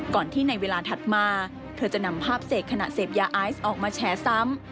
ก่อนที่ในเวลาถัดมาเธอจะนำภาพเสกขณะเสพยาไอซ์ออกมาแฉซ้ำ